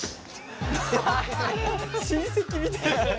親戚みたい。